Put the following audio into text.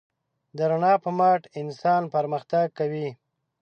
د رڼا په مټ انسان پرمختګ کوي.